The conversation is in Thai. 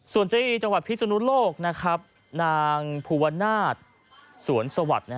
ส่วนที่จังหวัดพิศนุโลกนางภูวนาศสวนสวัสดิ์